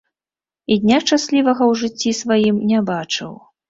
І дня шчаслівага ў жыцці сваім не бачыў.